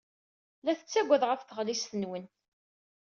La tettaggad ɣef tɣellist-nwen.